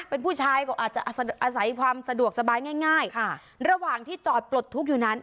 เป็นผู้ชายก็อาจจะอาศัยความสะดวกสบายง่ายค่ะระหว่างที่จอดปลดทุกข์อยู่นั้น